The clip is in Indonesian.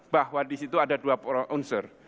bahwa di situ ada dua unsur